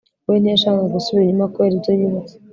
we ntiyashakaga gusubira inyuma kubera ibyo yibutse